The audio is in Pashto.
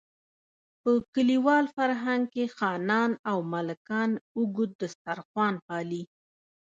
په کلیوال فرهنګ کې خانان او ملکان اوږد دسترخوان پالي.